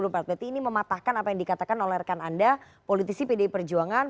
berarti ini mematahkan apa yang dikatakan oleh rekan anda politisi pdi perjuangan